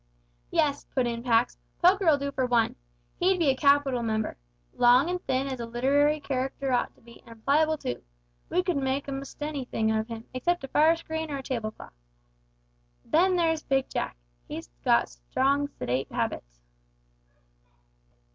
"Yes," put in Pax, "Poker'll do for one. He'd be a capital member. Long and thin as a literary c'racter ought to be, and pliable too. We could make a'most anything of him, except a fire screen or a tablecloth. Then there's Big Jack he's got strong sedate habits."